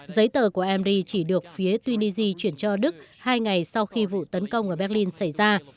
giấy tờ của mry chỉ được phía tunisia chuyển cho đức hai ngày sau khi vụ tấn công ở berlin xảy ra